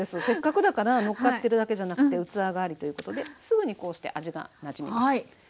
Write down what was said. せっかくだからのっかってるだけじゃなくて器代わりということですぐにこうして味がなじみます。